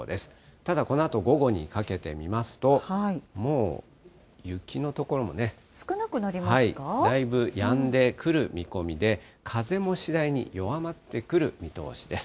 ただこのあと午後にかけて見ますと、もう雪の所もね。だいぶやんでくる見込みで、風も次第に弱まってくる見通しです。